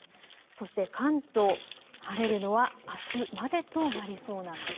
そして関東、晴れるのはあすまでとなりそうなんです。